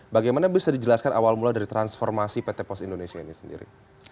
bagaimana bisa dijelaskan awal mula dari transformasi pt pos indonesia ini sendiri